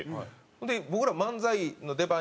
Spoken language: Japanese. それで僕ら漫才の出番